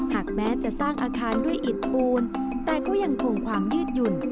แม้จะสร้างอาคารด้วยอิดปูนแต่ก็ยังคงความยืดหยุ่น